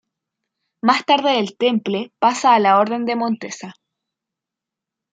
Más tarde del Temple pasa a la Orden de Montesa.